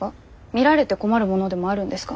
見られて困るものでもあるんですか？